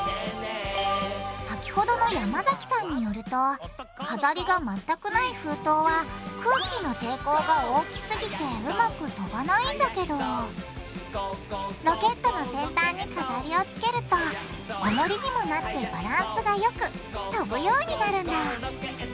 先ほどの山崎さんによると飾りが全くない封筒は空気の抵抗が大きすぎてうまく飛ばないんだけどロケットの先端に飾りをつけるとおもりにもなってバランスがよく飛ぶようになるんだ。